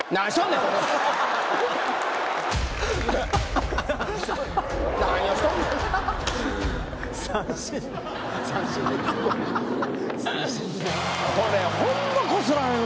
これホンマこすられるな。